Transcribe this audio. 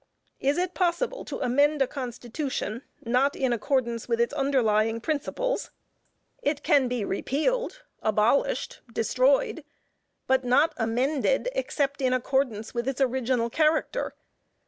Is it possible to amend a Constitution not in accordance with its underlying principles? It can be repealed, abolished, destroyed, but not amended; except in accordance with its original character.